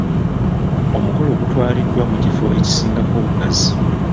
Omukolo gutwaliddwa mu kifo ekisingako obugazi.